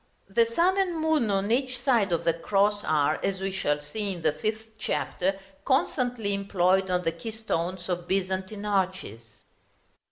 The sun and moon on each side of the cross are, as we shall see in the fifth Chapter, constantly employed on the keystones of Byzantine arches.